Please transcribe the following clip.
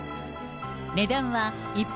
値段は１泊